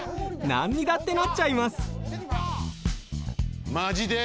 なんにだってなっちゃいますマジで？